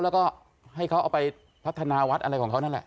แล้วก็ให้เขาเอาไปพัฒนาวัดอะไรของเขานั่นแหละ